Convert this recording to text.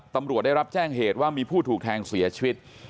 ตำรวจได้รับแจ้งเหตุว่ามีผู้ถูกแทงเสียชีวิต